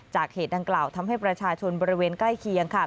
เหตุดังกล่าวทำให้ประชาชนบริเวณใกล้เคียงค่ะ